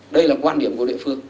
đây là quan điểm của địa phương